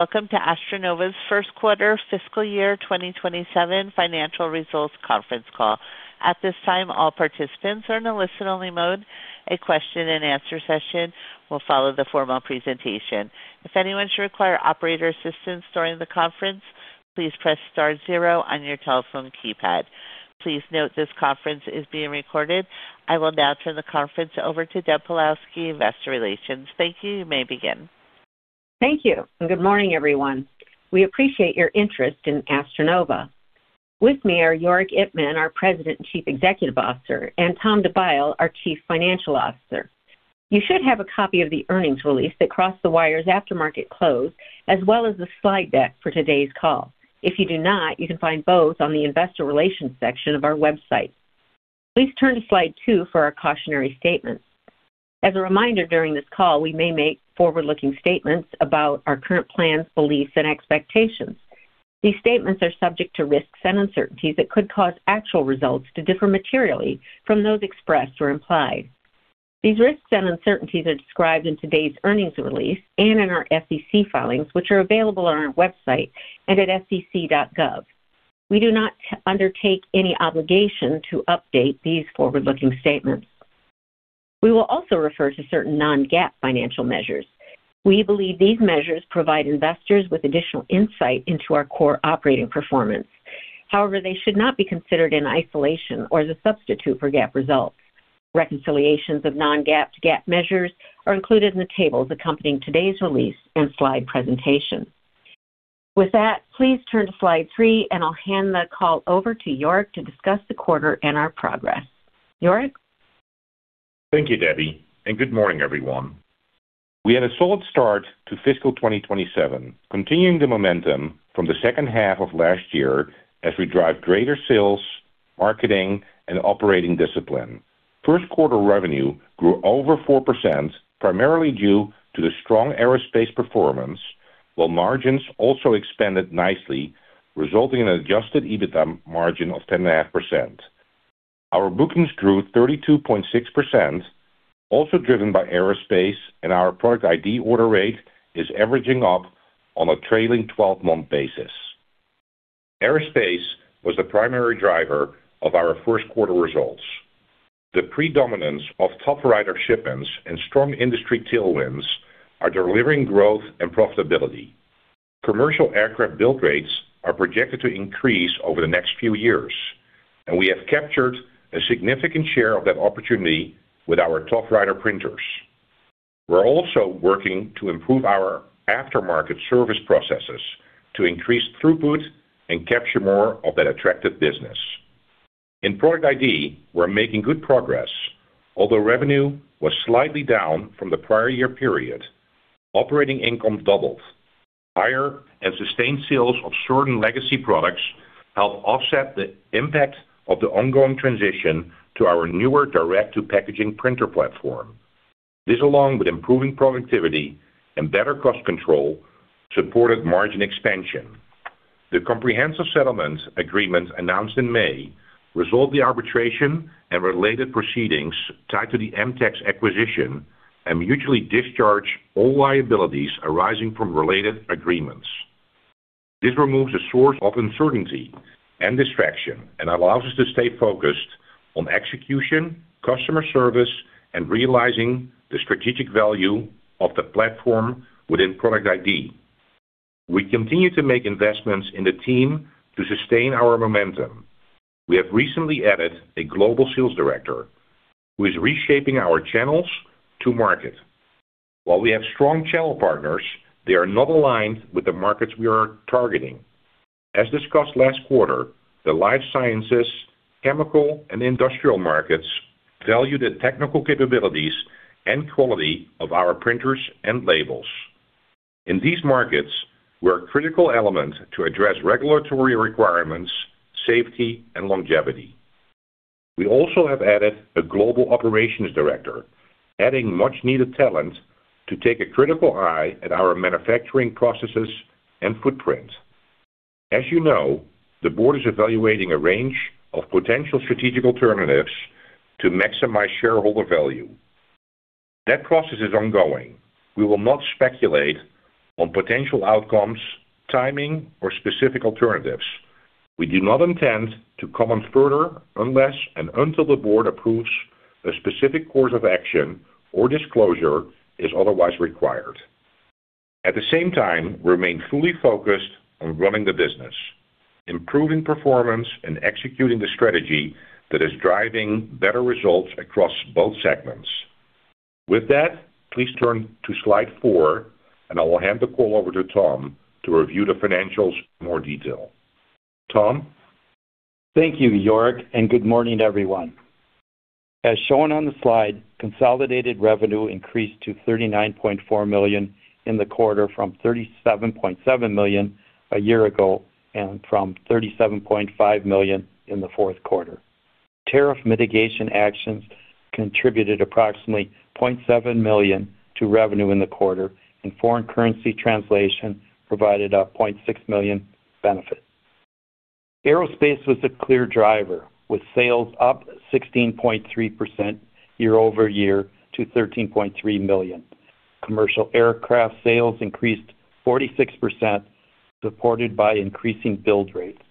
Welcome to AstroNova's first quarter fiscal year 2027 financial results conference call. At this time, all participants are in a listen-only mode. A question and answer session will follow the formal presentation. If anyone should require operator assistance during the conference, please press star zero on your telephone keypad. Please note this conference is being recorded. I will now turn the conference over to Deb Pawlowski, Investor Relations. Thank you. You may begin. Thank you. Good morning, everyone. We appreciate your interest in AstroNova. With me are Jorik Ittmann, our President and Chief Executive Officer, and Tom DeByle, our Chief Financial Officer. You should have a copy of the earnings release that crossed the wires after market close, as well as the slide deck for today's call. If you do not, you can find both on the investor relations section of our website. Please turn to slide two for our cautionary statement. As a reminder, during this call, we may make forward-looking statements about our current plans, beliefs, and expectations. These statements are subject to risks and uncertainties that could cause actual results to differ materially from those expressed or implied. These risks and uncertainties are described in today's earnings release and in our SEC filings, which are available on our website and at sec.gov. We do not undertake any obligation to update these forward-looking statements. We will also refer to certain non-GAAP financial measures. We believe these measures provide investors with additional insight into our core operating performance. However, they should not be considered in isolation or as a substitute for GAAP results. Reconciliations of non-GAAP to GAAP measures are included in the tables accompanying today's release and slide presentation. With that, please turn to slide three, and I'll hand the call over to Jorik to discuss the quarter and our progress. Jorik? Thank you, Debbie, and good morning, everyone. We had a solid start to fiscal 2027, continuing the momentum from the second half of last year as we drive greater sales, marketing, and operating discipline. First quarter revenue grew over 4%, primarily due to the strong aerospace performance, while margins also expanded nicely, resulting in an adjusted EBITDA margin of 10.5%. Our bookings grew 32.6%, also driven by aerospace, and our Product ID order rate is averaging up on a trailing 12-month basis. Aerospace was the primary driver of our first quarter results. The predominance of ToughWriter shipments and strong industry tailwinds are delivering growth and profitability. Commercial aircraft build rates are projected to increase over the next few years, and we have captured a significant share of that opportunity with our ToughWriter printers. We're also working to improve our aftermarket service processes to increase throughput and capture more of that attractive business. In Product ID, we're making good progress. Although revenue was slightly down from the prior year period, operating income doubled. Higher and sustained sales of certain legacy products helped offset the impact of the ongoing transition to our newer direct to packaging printer platform. This, along with improving productivity and better cost control, supported margin expansion. The comprehensive settlement agreement announced in May resolved the arbitration and related proceedings tied to the Mtex acquisition and mutually discharged all liabilities arising from related agreements. This removes a source of uncertainty and distraction and allows us to stay focused on execution, customer service, and realizing the strategic value of the platform within Product ID. We continue to make investments in the team to sustain our momentum. We have recently added a global sales director who is reshaping our channels to market. While we have strong channel partners, they are not aligned with the markets we are targeting. As discussed last quarter, the life sciences, chemical, and industrial markets value the technical capabilities and quality of our printers and labels. In these markets, we're a critical element to address regulatory requirements, safety, and longevity. We also have added a global operations director, adding much needed talent to take a critical eye at our manufacturing processes and footprint. As you know, the board is evaluating a range of potential strategic alternatives to maximize shareholder value. That process is ongoing. We will not speculate on potential outcomes, timing, or specific alternatives. We do not intend to comment further unless and until the board approves a specific course of action or disclosure is otherwise required. At the same time, remain fully focused on running the business, improving performance, and executing the strategy that is driving better results across both segments. With that, please turn to slide four. I will hand the call over to Tom to review the financials in more detail. Tom? Thank you, Jorik. Good morning, everyone. As shown on the slide, consolidated revenue increased to $39.4 million in the quarter from $37.7 million a year ago and from $37.5 million in the fourth quarter. Tariff mitigation actions contributed approximately $0.7 million to revenue in the quarter. Foreign currency translation provided a $0.6 million benefit. Aerospace was a clear driver, with sales up 16.3% year-over-year to $13.3 million. Commercial aircraft sales increased 46%, supported by increasing build rates.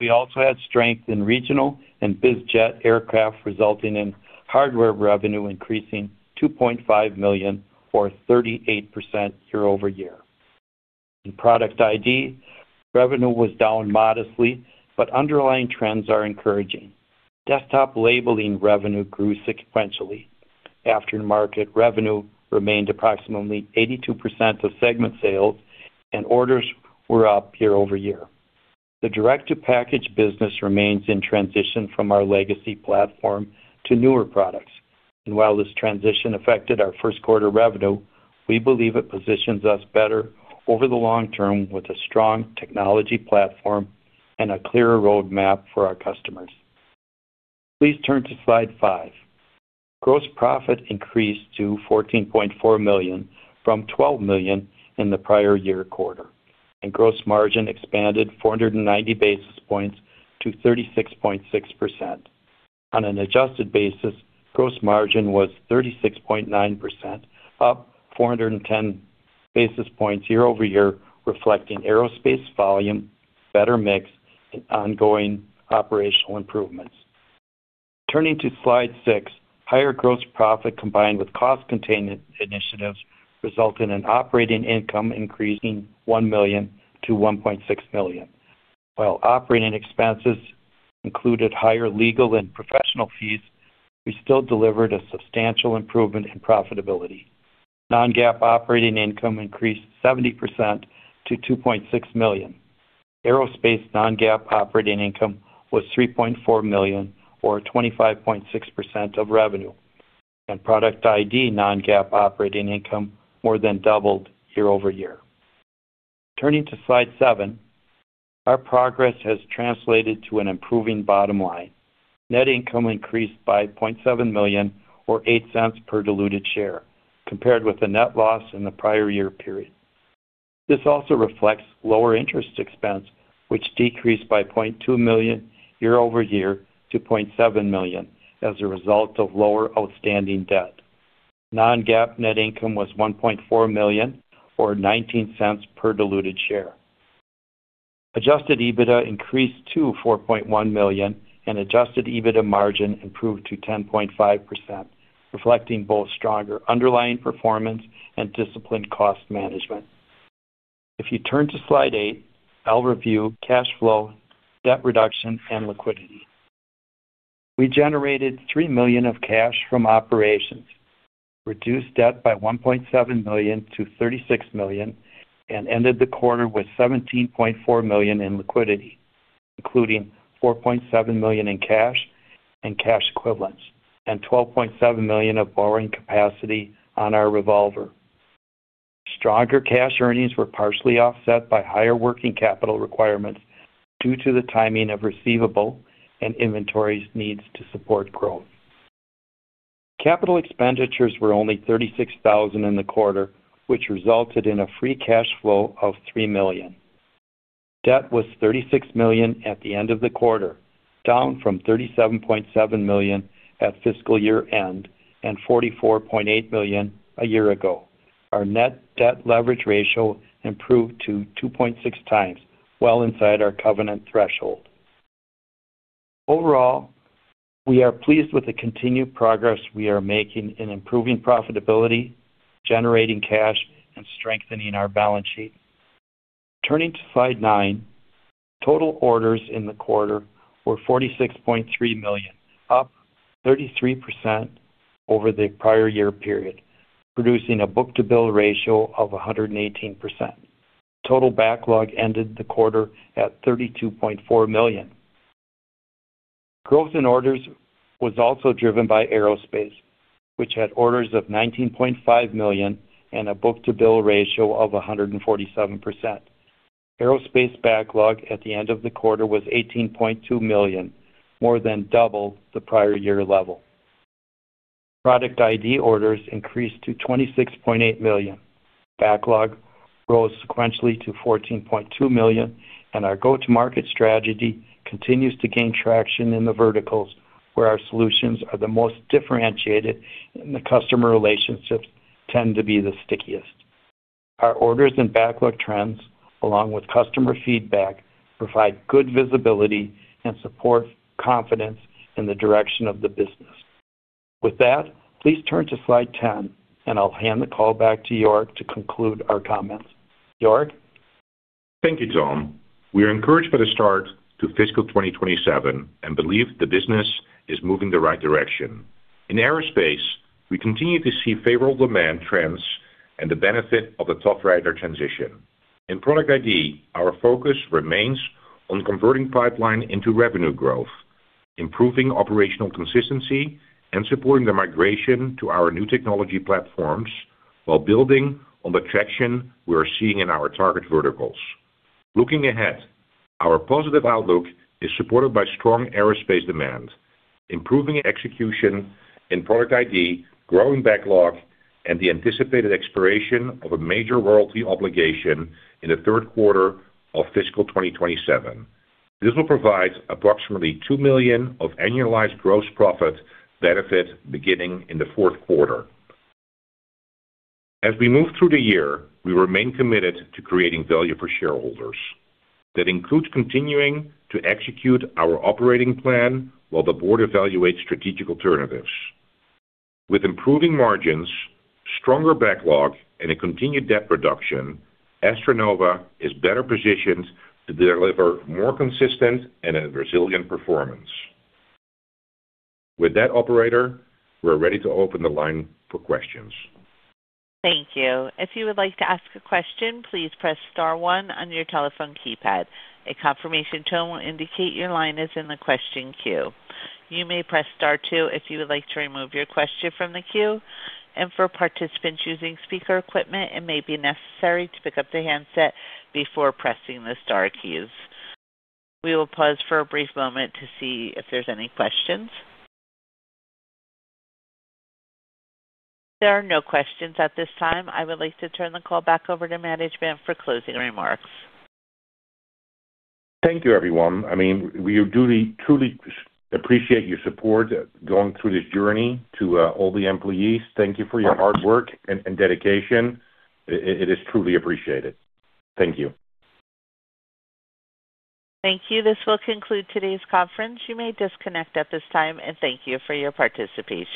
We also had strength in regional and business jet aircraft, resulting in hardware revenue increasing $2.5 million, or 38%, year-over-year. In Product Identification, revenue was down modestly, but underlying trends are encouraging. Desktop labeling revenue grew sequentially. Aftermarket revenue remained approximately 82% of segment sales, and orders were up year-over-year. The direct-to-package business remains in transition from our legacy platform to newer products. While this transition affected our first quarter revenue, we believe it positions us better over the long term with a strong technology platform and a clearer roadmap for our customers. Please turn to slide five. Gross profit increased to $14.4 million from $12 million in the prior year quarter, and gross margin expanded 490 basis points to 36.6%. On an adjusted basis, gross margin was 36.9%, up 410 basis points year-over-year, reflecting Aerospace volume, better mix, and ongoing operational improvements. Turning to slide six, higher gross profit combined with cost containment initiatives result in an operating income increasing $1 to 1.6 million. While operating expenses included higher legal and professional fees, we still delivered a substantial improvement in profitability. Non-GAAP operating income increased 70% to $2.6 million. Aerospace non-GAAP operating income was $3.4 million, or 25.6% of revenue, and Product Identification non-GAAP operating income more than doubled year-over-year. Turning to slide seven, our progress has translated to an improving bottom line. Net income increased by $0.7 million, or $0.08 per diluted share, compared with the net loss in the prior year period. This also reflects lower interest expense, which decreased by $0.2 million year-over-year to $0.7 million as a result of lower outstanding debt. Non-GAAP net income was $1.4 million, or $0.19 per diluted share. Adjusted EBITDA increased to $4.1 million, and adjusted EBITDA margin improved to 10.5%, reflecting both stronger underlying performance and disciplined cost management. If you turn to slide eight, I'll review cash flow, debt reduction, and liquidity. We generated $3 million of cash from operations, reduced debt by $1.7 to 36 million, and ended the quarter with $17.4 million in liquidity, including $4.7 million in cash and cash equivalents and $12.7 million of borrowing capacity on our revolver. Stronger cash earnings were partially offset by higher working capital requirements due to the timing of receivable and inventories needs to support growth. Capital expenditures were only $36,000 in the quarter, which resulted in a free cash flow of $3 million. Debt was $36 million at the end of the quarter, down from $37.7 million at fiscal year-end and $44.8 million a year ago. Our net debt leverage ratio improved to 2.6x, well inside our covenant threshold. Overall, we are pleased with the continued progress we are making in improving profitability, generating cash, and strengthening our balance sheet. Turning to slide nine, total orders in the quarter were $46.3 million, up 33% over the prior year period, producing a book-to-bill ratio of 118%. Total backlog ended the quarter at $32.4 million. Growth in orders was also driven by aerospace, which had orders of $19.5 million and a book-to-bill ratio of 147%. Aerospace backlog at the end of the quarter was $18.2 million, more than double the prior year level. Product Identification orders increased to $26.8 million. Backlog rose sequentially to $14.2 million, our go-to-market strategy continues to gain traction in the verticals where our solutions are the most differentiated and the customer relationships tend to be the stickiest. Our orders and backlog trends, along with customer feedback, provide good visibility and support confidence in the direction of the business. With that, please turn to slide 10, I'll hand the call back to Jorik to conclude our comments. Jorik? Thank you, Tom. We are encouraged by the start to fiscal 2027 and believe the business is moving the right direction. In aerospace, we continue to see favorable demand trends and the benefit of the ToughWriter transition. In Product ID, our focus remains on converting pipeline into revenue growth, improving operational consistency, and supporting the migration to our new technology platforms while building on the traction we are seeing in our target verticals. Looking ahead, our positive outlook is supported by strong aerospace demand, improving execution in Product ID, growing backlog, and the anticipated expiration of a major royalty obligation in the third quarter of fiscal 2027. This will provide approximately $2 million of annualized gross profit benefit beginning in the fourth quarter. As we move through the year, we remain committed to creating value for shareholders. That includes continuing to execute our operating plan while the board evaluates strategic alternatives. With improving margins, stronger backlog, and a continued debt reduction, AstroNova is better positioned to deliver more consistent and a resilient performance. With that, operator, we're ready to open the line for questions. Thank you. If you would like to ask a question, please press star one on your telephone keypad. A confirmation tone will indicate your line is in the question queue. You may press star two if you would like to remove your question from the queue. For participants using speaker equipment, it may be necessary to pick up the handset before pressing the star keys. We will pause for a brief moment to see if there's any questions. There are no questions at this time. I would like to turn the call back over to management for closing remarks. Thank you, everyone. I mean, we truly appreciate your support going through this journey. To all the employees, thank you for your hard work and dedication. It is truly appreciated. Thank you. Thank you. This will conclude today's conference. You may disconnect at this time. Thank you for your participation.